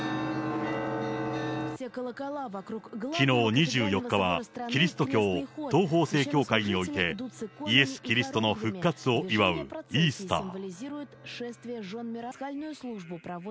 きのう２４日は、キリスト教東方正教会において、イエス・キリストの復活を祝うイースター。